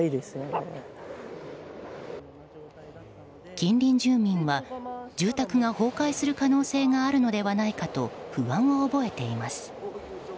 近隣住民は、住宅が崩壊する可能性があるのではないかと不安を覚えています。